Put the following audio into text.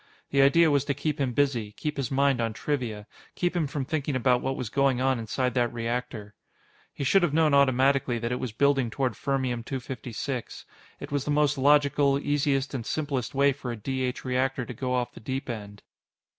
The idea was to keep him busy, keep his mind on trivia, keep him from thinking about what was going on inside that reactor. He should have known automatically that it was building toward Fermium 256. It was the most logical, easiest, and simplest way for a D H reactor to go off the deep end.